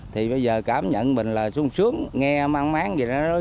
thì bây giờ cảm nhận mình là xuống xuống nghe măng máng gì đó